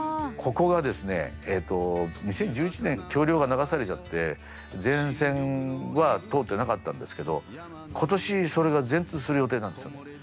ここがですね２０１１年橋りょうが流されちゃって全線は通ってなかったんですけど今年それが全通する予定なんですよね。